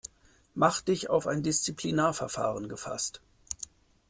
Mach dich auf ein Disziplinarverfahren gefasst.